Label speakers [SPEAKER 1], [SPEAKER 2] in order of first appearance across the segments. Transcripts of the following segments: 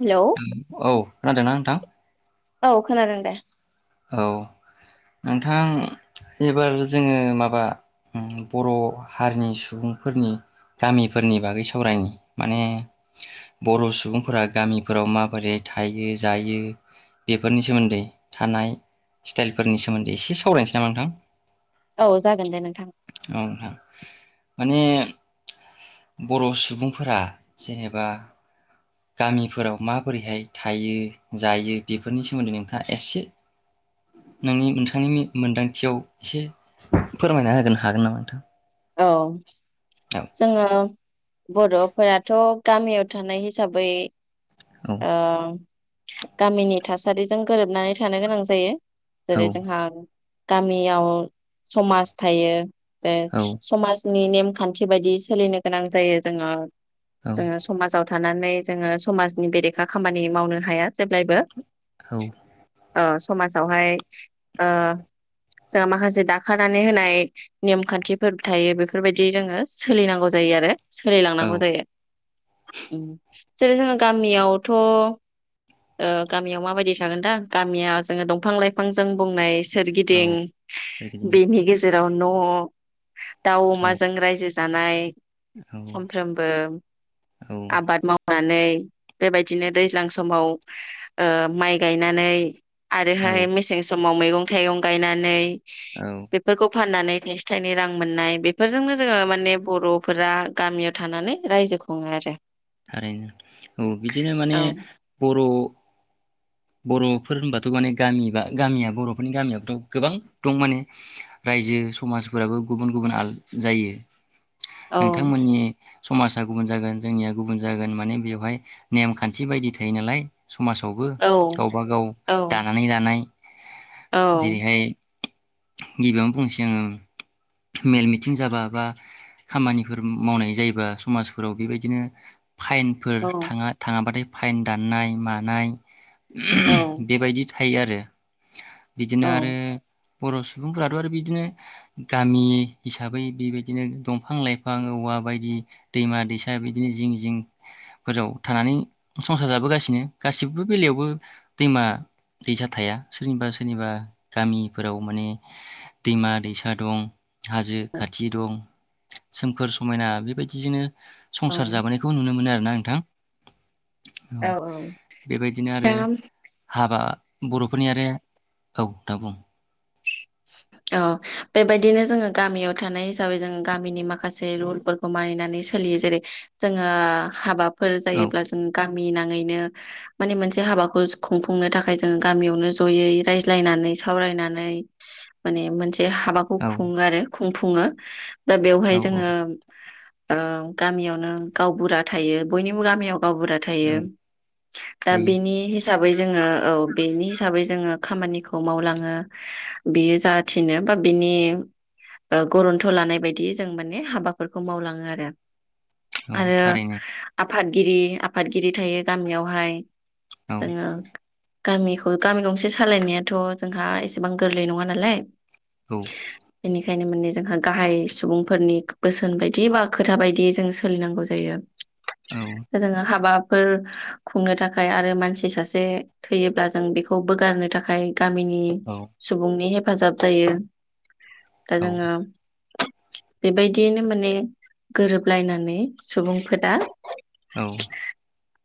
[SPEAKER 1] Hello
[SPEAKER 2] औ खोनादोंना नोंथा?
[SPEAKER 1] औ खोनादों दे।
[SPEAKER 2] औ नोंथां एबार जोङो माबा ओम बर' हारिनि सुबुंफोरनि गामिफोरनि बागै सावरायनि माने बर' सुबुंफोरा गामिफोराव माबोरै थायो जायो बेफोरनि सोमोन्दै थानाय स्टाइलफोरनि सोमोन्दै एसे सावरायनोसै नामा नोंथां?
[SPEAKER 1] औ जागोन दे नोंथां
[SPEAKER 2] औ नोंथां। माने बर' सुबुंफोरा जेनेबा गामिफोराव माबोरैहाय थायो जायो बेफोरनि सोमोन्दै नोंथाङा एसे नोंनि नोंथांनि मोनदांथियाव एसे फोरमायना होनो हागोन नामा नोंथां?
[SPEAKER 1] औ।
[SPEAKER 2] औ
[SPEAKER 1] जोङो बर'फोराथ' गामियाव थानाय हिसाबै अ। गामिनि थासारिजों गोरोबनानै थानो गोनां जायो।
[SPEAKER 2] औ
[SPEAKER 1] जेरै जोंहा गामियाव समाज थायो। जे।
[SPEAKER 2] औ
[SPEAKER 1] समाजनि नेमखान्थि बायदि सोलिनो गोनां जायो जोङो। जोङो समाजाव था थानानै जोङो समाजनि बेरेखा खामानि मावनो हाया जेब्लायबो।
[SPEAKER 2] हौ।
[SPEAKER 1] ओयो समाजावहाय ओयो जोंहा माखासे दाखानानै होनाय नेम खान्थि फोर थायो बेफोरबायदि जोङो सोलिनांगौ जायो आरो
[SPEAKER 2] औ
[SPEAKER 1] सोलिलांनांगौ जायो उ-उम। जेरै जोङो गामियावथ' ओ गामियाव माबायदि सागोन दां गामिया जोङो दंफां लाइफांजों बुंनाय सोरगिदिं
[SPEAKER 2] सोरगिदिं
[SPEAKER 1] बिनि गेजेर बेयाव न दाव
[SPEAKER 2] औ
[SPEAKER 1] अमाजों रायजोजा जानाय
[SPEAKER 2] औ
[SPEAKER 1] सामफ्रोमबो
[SPEAKER 2] औ
[SPEAKER 1] आबाद मावनाय नै बेबायदिनो दैज्लां समाव ओ माइ गायनानै
[SPEAKER 2] औ
[SPEAKER 1] आरोहाय मेसें सम माव मैगं थाइगं गायनानै सि
[SPEAKER 2] औ
[SPEAKER 1] बेफोरखौ फाननानै थाइसे थाइनै रां मोननाय बेफोरजोंनो जोङो माने बर'फोरा गामियाव थानानै रायजो खुङो आरो।
[SPEAKER 2] थारैनो औ बिदिनो
[SPEAKER 1] औ
[SPEAKER 2] माने बर' बर'फोर होनबाथ' माने गामि बा गामिया बर'फोरनि गामियावथ' गोबां दं माने रायजो समाजफोराबो गुबुन गुबुन आल जायो।
[SPEAKER 1] औ
[SPEAKER 2] नोंथांमोननि समाजा गुबुन जागोन जोंनिया गुबुन जागोन माने बेवहाय नेमखान्थि बायदि थायो नालाय समाजावबो
[SPEAKER 1] औ
[SPEAKER 2] गावबा गाव
[SPEAKER 1] औ
[SPEAKER 2] दानानै लानाय
[SPEAKER 1] औ
[SPEAKER 2] जेरैहाय गिबियावनो बुंसै आङो मेल मिथिं जाबा बा खामानिफोर मावनाय जायोबा समाजफोराव बेबायदिनो [inaudible] फाइनफोर
[SPEAKER 1] औ
[SPEAKER 2] थाङा थाङा बाथाय फाइन दाननाय मानाय उहुम
[SPEAKER 1] औ
[SPEAKER 2] बेबायदि था थायो आरो बिदिनो आरो
[SPEAKER 1] औ
[SPEAKER 2] बर' सुबुंफोराथ' आरो बिदिनो गामि हिसाबै बिबायदिनो दंफां लाइफां औवा बायदि दैमा दैसा बिद बिदिनो जिं जिंफोराव थानानै संसार जाबोगासिनो गासिबो बेलायावबो दैमा दैसा थाया सोरनिबा सोरनिबा गामिफोराव माने दैमा दैसा दं। हाजो
[SPEAKER 1] औ
[SPEAKER 2] खाथि दं। सोमखोर समायना बेबायदिजोंनो संसार जाबोनायखौ नुनो मोनो आरो। नोंथां
[SPEAKER 1] औ औ
[SPEAKER 2] बेबायदिनो
[SPEAKER 1] दा
[SPEAKER 2] आरो हाबा बर'फोरनि आरो औ दा बुं
[SPEAKER 1] औ बेबायदिनो जोङो गामियाव थानाय हिसाबै जोङो गामिनि माखासे रुलफोरखौ मानिनानै सोलियो जेरै जोङो हाबा--' फोर
[SPEAKER 2] औ
[SPEAKER 1] जायोब्ला जों गा गामि नाङैनो माने मोनसे हाबाखौ खुंफुंनो थाखाय जोंङो गामियावनो ज'यै रायज्लायनानै सावरायनानै माने मोनसे बे हाबाखौ
[SPEAKER 2] औ
[SPEAKER 1] खुङो आरो खुंफुङो दा बेवहाय
[SPEAKER 2] औ औ
[SPEAKER 1] जोङो ओ गामियावनो गावबुरा थायो बयनिबो गामियाव गावबुरा थायो
[SPEAKER 2] औ
[SPEAKER 1] दा
[SPEAKER 2] जायो
[SPEAKER 1] बेनि हिसाबै जोङो औ बेनि हिसाबै जोङो खामानिखौ मावलाङो बियो जा थिनो बा बिनि गरन्थ' लानाय बायदि जों माने हाबाफोरखौ मावलाङो आरो
[SPEAKER 2] औ
[SPEAKER 1] आरो
[SPEAKER 2] थारैनो
[SPEAKER 1] आफादगिरि आफादगिरि थायो गामियावहाय
[SPEAKER 2] औ
[SPEAKER 1] जोङो गामिखौ गामि गंसे सालायनायाथ' जोंहा एसेबां गोरलै नङा नालाय
[SPEAKER 2] औ
[SPEAKER 1] बेखायनो माने जोंहा गाहाय सुबुंफोरनि बोसोन बायदि बा खोथा बायदि जों सोलिनांगौ जायो जोङो हाबा फोर खुंनो थाखाय आरो मानसि सासे थैयोब्ला जों बेखौ बोगारनो थाखाय गामनि
[SPEAKER 2] औ
[SPEAKER 1] नि हेफाजाब जायो
[SPEAKER 2] औ
[SPEAKER 1] जोंङो बेबायदियैनो माने गोरोबलायनानै सुबुंफोरा
[SPEAKER 2] औ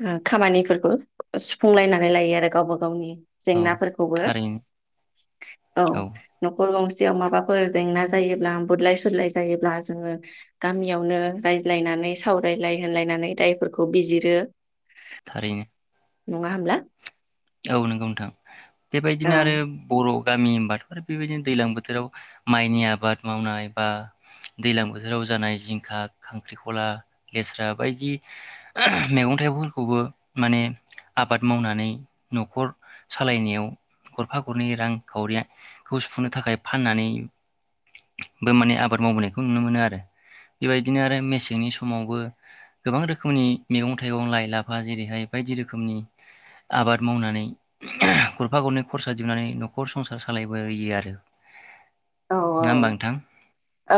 [SPEAKER 1] ओ खामानिफोरखौ सुफुंलायनानै लायो आरो गावबा गावनि
[SPEAKER 2] औ
[SPEAKER 1] जेंनाफोरखौबो
[SPEAKER 2] थारैनो
[SPEAKER 1] औ न खर गंसेयाव माबाफोर जेंना जायोब्ला बुलाय सुलाय जायोब्ला जोङो गामियावनो रायज्लायनानै सावरायलाय होनलायनानै दायफोरखौ बिजिरो।
[SPEAKER 2] थारैनो
[SPEAKER 1] नङा होनब्ला?
[SPEAKER 2] औ नंगौ नोंथां,
[SPEAKER 1] औ
[SPEAKER 2] बेबायदिनो आरो बर' गामि होनबाथ' आरो बेबायदिनो दैज्लां बोथोराव माइनि आबाद मावनाय बा दैज्लां बोथोराव जानाय जिंखा, खांख्रिखला, लेस्रा बायदि मेगं थाइगं फोरखौबो माने आबाद मावनानै न'खर सालायनायाव गरफा गरनै रांखावरिखौ सुफुंनो थाखाय फाननानैबो माने आबाद मावबोनायखौ नुनो मोनो आरो बेबायदिनो आरो मेसेंनि समावबो गोबां रोखोमनि मैगं थाइगं लाइ लाफा जेरैहाय बायदि रोखोमनि आबाद मावनानै गरफा गरनै खरसा दिहुननानै न'खर संसार सालायबोयो आरो।
[SPEAKER 1] औ औ
[SPEAKER 2] नङा होमबा नोंथां
[SPEAKER 1] औ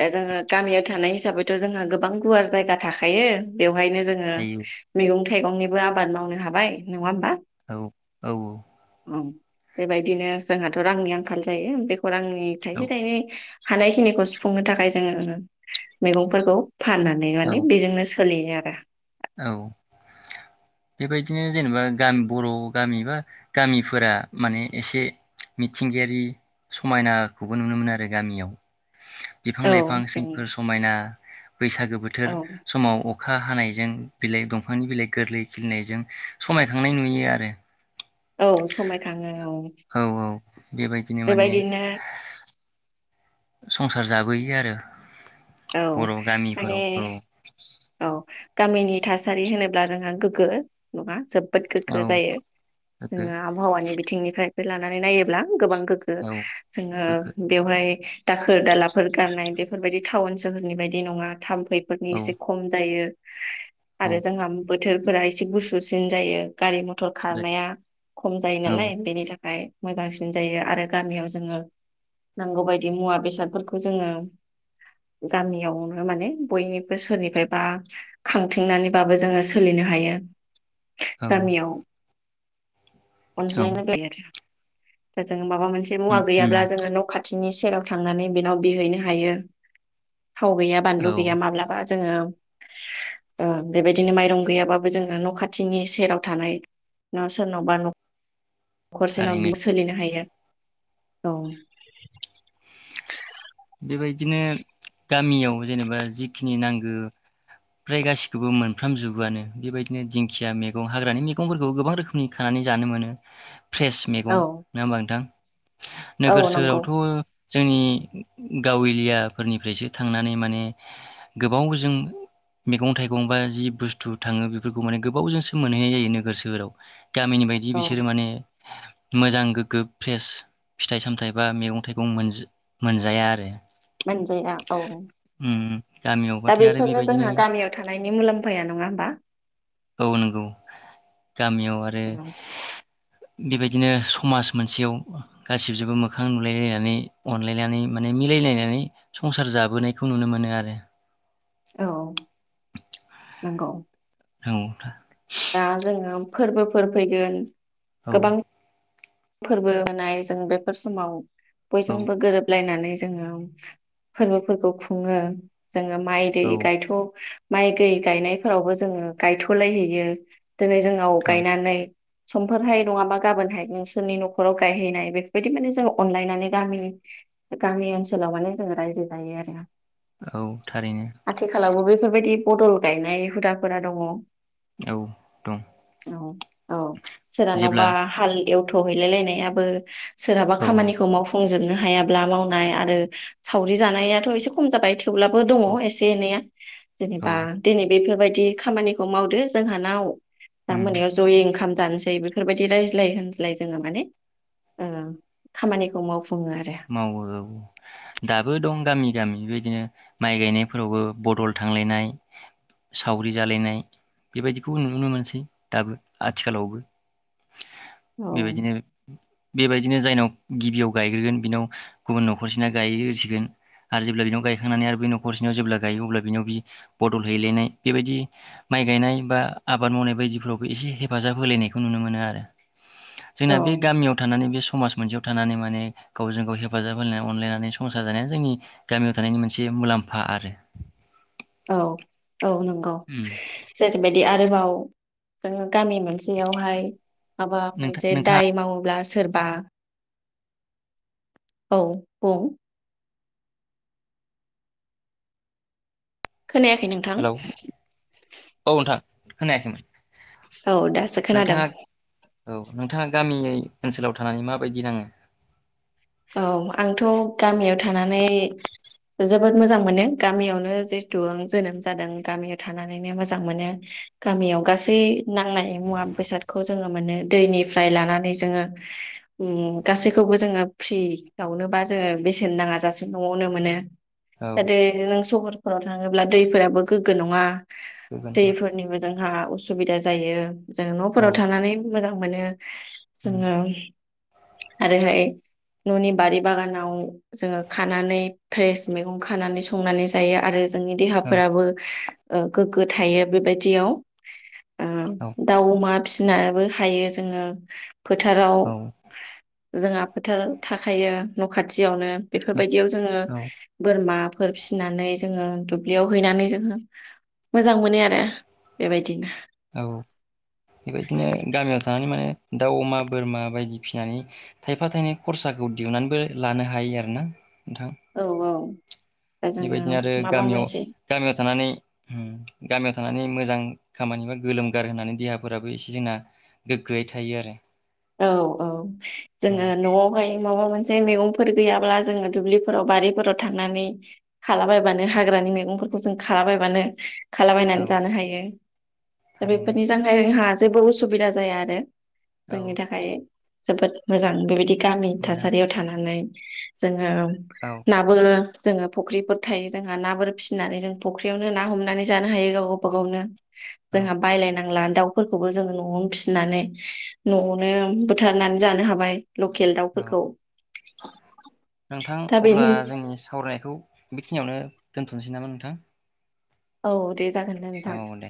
[SPEAKER 1] दा जोङो गामियाव थानाय हिसाबैथ' जोंहा गोबां गुवार जायगा थाखायो बेयाव बेवहायनो जोंङो
[SPEAKER 2] हायो
[SPEAKER 1] मैगं थाइगंनिबो आबाद मावनो हाबाय नङा होमबा?
[SPEAKER 2] औ औ औ।
[SPEAKER 1] औ बेबायदिनो जोंहाथ रांनि आंखाल जायो बे खौरांनि
[SPEAKER 2] औ
[SPEAKER 1] थाइसे थाइनै हानायखिनिखौ सुफुंनो थाखाय जोङो मैगंफोरखौ फाननानै
[SPEAKER 2] औ
[SPEAKER 1] माने बेजोंनो सोलियो आरो
[SPEAKER 2] औ बेबायदिनो जेनेबा गामि बर' गामि बा गामिफोरा माने एसे मिथिंगायारि समायनाखौबो नुनो मोनो आरो गामियाव। बिफां
[SPEAKER 1] औ
[SPEAKER 2] लाइफां
[SPEAKER 1] जों
[SPEAKER 2] सोमखोर समायना बैसागो बोथोर
[SPEAKER 1] औ
[SPEAKER 2] समाव अखा हानायजों बिलाइ दंफांनि बिलाइ गोरलै खिलिनायजों समायखांनाय नुयो आरो।
[SPEAKER 1] औ समायखाङो।
[SPEAKER 2] औ औ बेबायदिनो माने संसार जाबोयो आरो।
[SPEAKER 1] औ
[SPEAKER 2] बर'
[SPEAKER 1] माने
[SPEAKER 2] गामिफोराव औ
[SPEAKER 1] औ। गामिनि थासारि होनोब्ला जोंहा गोग्गो नङा जोब गोग्गो
[SPEAKER 2] औ
[SPEAKER 1] जायो
[SPEAKER 2] गोग्गो
[SPEAKER 1] जोङो आबहावानि बिथिंनिफ्राय निफ्राय लानानै नायोब्ला गोबां गोगो
[SPEAKER 2] औ
[SPEAKER 1] जोङो
[SPEAKER 2] गोग्गो
[SPEAKER 1] बेयावहाय दाखोर दालाफोर गारनाय बेफोरबायदि टाउन सोहोरनि बायदि नङा था बैफोरनि
[SPEAKER 2] औ
[SPEAKER 1] एसे खम जायो। आरो जोंहा बोथोरफोरा एसे गुसुसिन जायो। गारि मथर खारनाया खम जायो
[SPEAKER 2] औ
[SPEAKER 1] नालाय बेनि थाखाय मोजांसिन जायो आरो गामियाव जोङो नांगौबायदि मुवा बेसादफोरखौ जोङो गामियावनो माने बयनिबो सोरनिफ्रायबा खांथिंनानैबाबो जोङो सोलिनो हायो।
[SPEAKER 2] औ
[SPEAKER 1] गामियाव उन
[SPEAKER 2] औ
[SPEAKER 1] ज ग [unintelligible] बेजों [unintelligible] माबा मोनसे
[SPEAKER 2] उम
[SPEAKER 1] मुवा
[SPEAKER 2] उम
[SPEAKER 1] गैयाब्ला जोङो न खाथि बिनि सेराव थांनानै बेनाव बिहैनो हायो। थाव गैया बानलु
[SPEAKER 2] औ
[SPEAKER 1] गैया माब्लाबा जोङो ओ बेबायदिनो माइरं गैयाबाबो जोंहा न खाथिनि सेराव थानाय न सोरनावबा न'खरसेनाव
[SPEAKER 2] थारैनो
[SPEAKER 1] बि सोलिनो हायो। औ।
[SPEAKER 2] बेबायदिनो गामियाव जेनेबा जिखिनि नांगो फ्राय गासिखौबो मोनफ्राम जुबोआनो बेबायदिनो दिंखिया मैगं हाग्रानि मैगंफोरखौ गोबां रोखोमनि खानानै जानो मोनो। फ्रेस मैगं
[SPEAKER 1] औ
[SPEAKER 2] नोङा होमबा नोंथां
[SPEAKER 1] औ
[SPEAKER 2] नोगोर
[SPEAKER 1] नंगौ
[SPEAKER 2] सोहोरावथ' जोंनि गाव एलियाफोरनिफ्रायसो थांनानै माने गोबाव जों मैगं थाइगं बा जि बुस्थु थाङो बेफोरखौ माने गोबावजोंसो मोनहैनाय जायो नोगोर सोहोराव। गामिनि बायदि
[SPEAKER 1] औ
[SPEAKER 2] बिसोरो माने मोजां गोगो फ्रेस फिथाइ सामथाइ बा मैगं थाइगं मोनजा मोन जाया आरो
[SPEAKER 1] मोनजाया औ
[SPEAKER 2] उम
[SPEAKER 1] दा
[SPEAKER 2] गामियावबाथाय आरो
[SPEAKER 1] बेफोरनो
[SPEAKER 2] बेबायदिनो
[SPEAKER 1] जोंहा गामियाव थानायनि मुलाम्फाया नङा होमबा?
[SPEAKER 2] औ नोंगौ। गामियाव आरो बेबायदिनो समाज मोनसेयाव गासिबजोंबो मोखां नुलायलायनानै अनलायनानै माने मिलायलायनानै संसार जाबोनायखौ नुनो मोनो आरो।
[SPEAKER 1] औ नोंगौ।
[SPEAKER 2] औ था
[SPEAKER 1] दा जोङो फोरबोफोर फैगोन
[SPEAKER 2] औ।
[SPEAKER 1] गोबां फोरबो होनाय जों बेफोर समाव
[SPEAKER 2] औ
[SPEAKER 1] बयजोंबो गोरोबलायनानै जोङो फोरबोफोरखौ खुङो। जोङो माइ दै गायथ' माइ गै गायनायफोरावबो जोङो गायथ'लायहैयो। [unintelligible] दिनै जोंनाव
[SPEAKER 2] औ
[SPEAKER 1] गायनानै समफोरहाय नङाबा गाबोनहाय नोंसोरनि न'खराव गायहैनाय बेफोरबायदि माने जों अनलायनानै गामिनि गामि ओनसोलाव माने जोङो रायजो जायो आरो।
[SPEAKER 2] औ थारैनो
[SPEAKER 1] आथिखालावबो बेफोरबायदि बदल गायनाय हुदाफोरा दङ।
[SPEAKER 2] औ दं
[SPEAKER 1] औ औ
[SPEAKER 2] जेब्ला
[SPEAKER 1] सोरहानावबा हाल एव थ' हैलाय लायनायाबो सोरहाबा
[SPEAKER 2] औ औ
[SPEAKER 1] खामानिखौ मावफुंजोबनो हायाब्ला मावनाय आरो सावरि जानायाथ' एसे खम जाबाय थेवब्लाबो दङ
[SPEAKER 2] औ
[SPEAKER 1] एसे एनैया
[SPEAKER 2] औ
[SPEAKER 1] जेनेबा दिनै बेफोरबाय दि खामानिखौ मावदो जोंहानाव दा
[SPEAKER 2] उम
[SPEAKER 1] मोनायाव ज'यै ओंखाम जानोसै बेफोरबायदि रायज्लाय होनज्लाय जोङो माने ओ खामानिखौ मावफु
[SPEAKER 2] मावो औ दाबो दं गामि गामि बेबायदिनो माइ गायनायफोरावबो बदल थांलायनाय सावरि जालायनाय बेबायदिखौ नुनो मोनसै दाबो आथिखालावबो
[SPEAKER 1] औ
[SPEAKER 2] बेबायदिनो बेबायदि दिनो जायनाव गिबियाव गायग्रोगोन बिनाव गुबुन न'खरसेना गायग्रोसिगोन आरो जेब्ला बिनाव गायखांनानै आरो बै न'खरसेनाव जेब्ला गायो अब्ला बिनाव बि बदल हैलायनाय बेबायदि माइ गायनाय बा आबाद मावनाय बायदिफ्रावबो एसे हेफाजाब होलायनायखौ नुनो मोनो आरो जोंना बे
[SPEAKER 1] औ
[SPEAKER 2] गामियाव थानानै बे समाज मोनसेयाव थानानै माने गावजों गाव हेफाजाब होलायनानै अनलायनानै संसार जानाया जोंनि गामियाव थानायनि मोनसे मुलाम्फा आरो
[SPEAKER 1] औ औ नंगौ
[SPEAKER 2] उम
[SPEAKER 1] जेरैबायदि आ आरोबाव जोङो गामि मोनसेयावहाय माबा
[SPEAKER 2] नोंथां
[SPEAKER 1] मोनसे
[SPEAKER 2] नोंथाङा
[SPEAKER 1] दाय मावोब्ला सोरबा औ बुं खोनायाखै नोंथां
[SPEAKER 2] हेलौ औ नोंथां खोनायाखैमोन
[SPEAKER 1] औ दासो खोनादों
[SPEAKER 2] नोंथाङा औ नोंथाङा गामियै ओनसोलाव थानानै माबायदि नाङो।
[SPEAKER 1] औ आंथ' गामियाव थानानै जोबोद मोजां मोनो गामियावनो जेहुतु आं जोनोम जादों गामियाव थानानैनो मोजां मोनो गामियाव गासै नांनाय मुवा बेसादखौ जोङो मोनो दैनिफ्राय लानानै जोङो गासैखौबो जोङो फ्रि आवनोबा जोङो बेसेन नाङाजासे न'आवनो मोनो।
[SPEAKER 2] औ
[SPEAKER 1] दे नों सहर हराव थाङोब्ला दैफोराबो गोग्गो नङा।
[SPEAKER 2] बेबो नामा
[SPEAKER 1] दैफोरनिबो जोंहा उस सुबिदा जायो। जों
[SPEAKER 2] औ
[SPEAKER 1] न'फोराव थानानै मोजां मोनो।
[SPEAKER 2] उम
[SPEAKER 1] जोङो आरोहाय ननि बारि बागानाव जोङो खानानै फ्रेस मैगं खानानै संनानै जायो आरो जोंनि
[SPEAKER 2] औ
[SPEAKER 1] देहाफोराबो ओ गोग्गो थायो बेबायदियाव ओ दाउ अमा फि नायाबो हायो जोङो फोथाराव
[SPEAKER 2] औ
[SPEAKER 1] जोंहा फोथार थाखायो नखाथियावनो
[SPEAKER 2] औ
[SPEAKER 1] बेफोरबायदियाव जोङो
[SPEAKER 2] औ
[SPEAKER 1] बोरमा फोर फिसिनानै जोङो दुब्लियाव हैनानै जोङो मोजां मोनो आरो बेबायदिनो
[SPEAKER 2] औ बेबायदिनो गामियाव थानानै माने दाउ अमा बोरमा बायदि फिनानै थायफा थायनै खरसाखौ दिहुननानैबो लानो हायो आरोना नोंथां
[SPEAKER 1] औ औ दा जोङो
[SPEAKER 2] बेबायदिनो आरो
[SPEAKER 1] माबा
[SPEAKER 2] गामियाव
[SPEAKER 1] मोनसे
[SPEAKER 2] गामियाव थानानै उम गामियाव थानानै मोजां खामानि बा गोलोमगार होनानै देहाफोराबो एसे जोंना गोग्गोयै थायो आरो
[SPEAKER 1] औ औ
[SPEAKER 2] औ
[SPEAKER 1] जोङो नआवहाय माबा मोन जे मैगंफोर गैयाब्ला जोङो दुब्लिफोराव बारिफोराव थांनानै खालाबायबानो हाग्रानि मैगंफोरखौ जों खालाबायबानो
[SPEAKER 2] औ
[SPEAKER 1] खालाबायनानै जानो हायो दा
[SPEAKER 2] थारैनो
[SPEAKER 1] बेफोरनि [unintelligible] जोंहा जेबो उसुबिदा जाया आरो जोंनि
[SPEAKER 2] औ
[SPEAKER 1] थाखाय जोबोद मोजां बेबायदि गामि
[SPEAKER 2] मोजां
[SPEAKER 1] थासारियाव थानानै जों औ
[SPEAKER 2] औ
[SPEAKER 1] नाबो जोङो फुख्रिफोर थायो जोंहा नाफोर फिसिनानै जों फुख्रियावनो ना हमनानै जानो हायो गावबा गावनो
[SPEAKER 2] औ
[SPEAKER 1] जोंहा बायलायनांला दाउफोरखौबो जोङो नआवनो फिसिनानै नआवनो बुथारनानै जानो हाबाय लकेल
[SPEAKER 2] औ
[SPEAKER 1] दाउफोरखौ [inaudible]
[SPEAKER 2] नोंथां
[SPEAKER 1] दा
[SPEAKER 2] अब्ला
[SPEAKER 1] बेनि
[SPEAKER 2] जोंनि सावरायनायखौ बेखिनियावनो दोनथनोसै नामा नोंथां?
[SPEAKER 1] औ दे जागोन दे
[SPEAKER 2] औ
[SPEAKER 1] नोंथां
[SPEAKER 2] दे